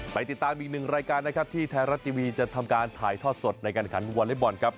ไปติดตามอีกหนึ่งรายการนะครับที่ไทยรัฐทีวีจะทำการถ่ายทอดสดในการขันวอเล็กบอลครับ